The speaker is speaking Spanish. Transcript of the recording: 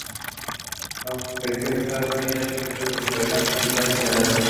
Aunque creció en los Estados Unidos, inició su carrera musical en Canadá.